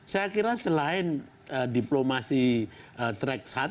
saya kira selain diplomasi track satu